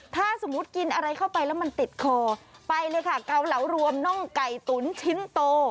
ถ้าสมมุติกินอะไรเข้าไปแล้วมันติดคอไปเลยค่ะเกาเหลารวมน่องไก่ตุ๋นชิ้นโต